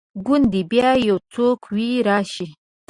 ګوندي بیا یو څوک وي راشي